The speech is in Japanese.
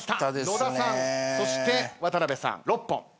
野田さんそして渡辺さん６本。